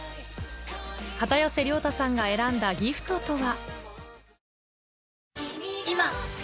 片寄涼太さんが選んだギフトとは？